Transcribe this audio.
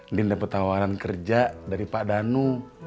ndin dapet tawaran kerja dari pak danu